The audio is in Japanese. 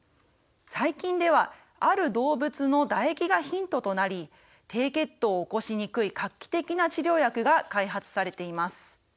最近ではある動物の唾液がヒントとなり低血糖を起こしにくい画期的な治療薬が開発されています。